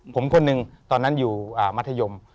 ผมคนหนึ่งตอนนั้นอยู่มัธยม